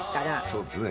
そうですね。